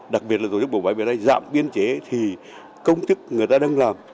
đặc biệt là tổ chức bộ phải dạm biên chế thì công chức người ta đang làm